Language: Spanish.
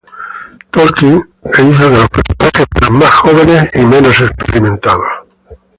Tolkien e hizo que los personajes fueran más jóvenes y menos experimentados.